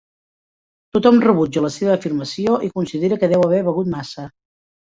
Tothom rebutja la seva afirmació i considera que deu haver begut massa.